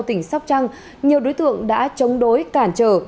tỉnh sóc trăng nhiều đối tượng đã chống đối cản trở